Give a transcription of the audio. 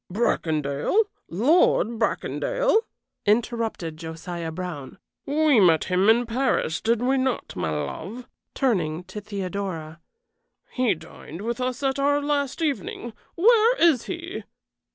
"Bracondale? Lord Bracondale?" interrupted Josiah Brown. "We met him in Paris, did we not, my love?" turning to Theodora. "He dined with us our last evening. Where is he?"